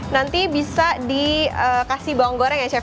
nanti bisa dikasih bawang goreng ya chef